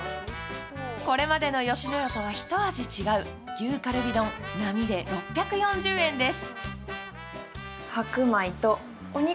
これまでの吉野家とは一味違う牛かるび丼並で６４０円です。